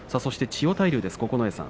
千代大龍です。